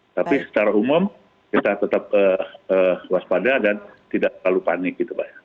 tapi secara umum kita tetap waspada dan tidak terlalu panik gitu pak